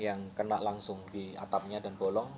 yang kena langsung di atapnya dan bolong